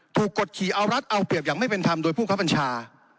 กดขี่เอารัฐเอาเปรียบอย่างไม่เป็นธรรมโดยผู้คับบัญชา